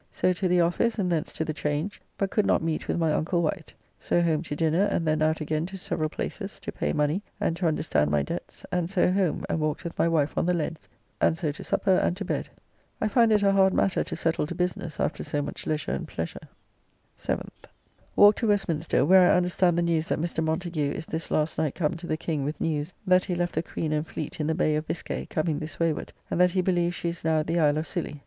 So to the office, and thence to the Change, but could not meet with my uncle Wight. So home to dinner and then out again to several places to pay money and to understand my debts, and so home and walked with my wife on the leads, and so to supper and to bed. I find it a hard matter to settle to business after so much leisure and pleasure. 7th. Walked to Westminster; where I understand the news that Mr. Montagu is this last night come to the King with news, that he left the Queen and fleet in the Bay of Biscay, coming this wayward; and that he believes she is now at the Isle of Scilly.